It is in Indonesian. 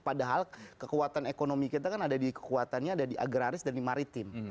padahal kekuatan ekonomi kita kan ada di kekuatannya ada di agraris dan di maritim